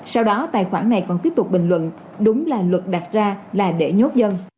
sau đó tài khoản này còn tiếp tục bình luận đúng là luật đặt ra là để nhốt dân